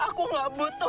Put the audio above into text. aku gak butuh